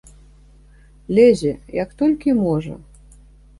Лезе, як толькі можа.